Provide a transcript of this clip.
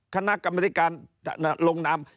คณะกรรมนิการลงนาม